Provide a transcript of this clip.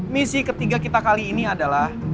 misi ketiga kita kali ini adalah